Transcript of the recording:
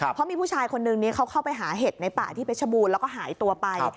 เพราะมีผู้ชายคนนึงเขาเข้าไปหาเห็ดในป่าที่เพชรบูรณ์แล้วก็หายตัวไป